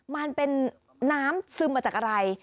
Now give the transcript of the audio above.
มันเป็นน้ำซึมมาจากอะไร